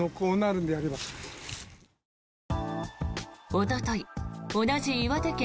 おととい同じ岩手県